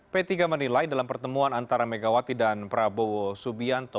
p tiga menilai dalam pertemuan antara megawati dan prabowo subianto